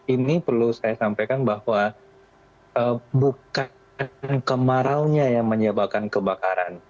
ini perlu saya sampaikan bahwa bukan kemaraunya yang menyebabkan kebakaran